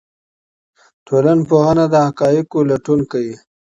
ټولنپوهنه د حقایقو لټون کوي.